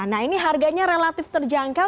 nah ini harganya relatif terjangkau